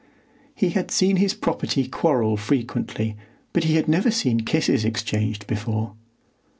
He had seen his property quarrel frequently, but he had never seen kisses exchanged before.